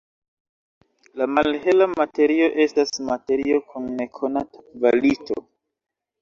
La malhela materio estas materio kun nekonata kvalito.